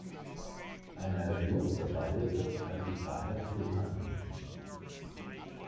Eine Erhöhung der Beihilfe halte ich daher für unangemessen.